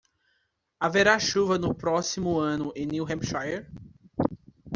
Haverá chuva no próximo ano em New Hampshire?